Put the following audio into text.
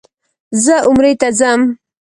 زه عمرې ته ځم.